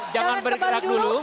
jangan bergerak dulu